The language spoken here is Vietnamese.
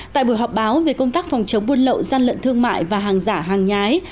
tại buổi họp báo về công tác phòng chống buôn lậu gian lận thương mại và hàng giả hàng nhái